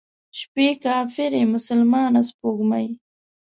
شپې کافرې، مسلمانه سپوږمۍ،